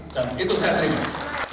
dan itu saya terima kasih